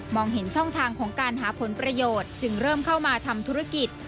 เห็นช่องทางของการหาผลประโยชน์จึงเริ่มเข้ามาทำธุรกิจ